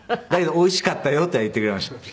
だけど「おいしかったよ」とは言ってくれました。